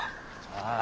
ああ。